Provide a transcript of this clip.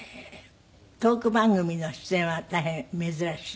トーク番組の出演は大変珍しい？